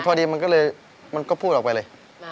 ทวดีมันก็พูดออกไปเลย